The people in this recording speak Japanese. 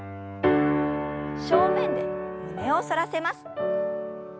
正面で胸を反らせます。